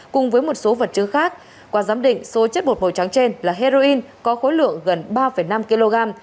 cùng với một số vật chứng khác qua giám định số chất bột màu trắng trên là heroin có khối lượng gần ba năm kg